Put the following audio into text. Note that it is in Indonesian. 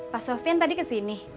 pak sofyan tadi kesini